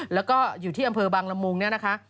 แล้วก็อยู่ที่อำเภอบางละมุงเนี่ยนะคะ